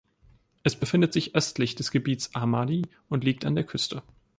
Es befindet sich östlich des Gebiets Ahmadi und liegt an der Küste.